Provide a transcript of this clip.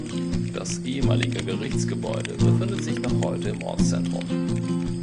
Das ehemalige Gerichtsgebäude befindet sich noch heute im Ortszentrum.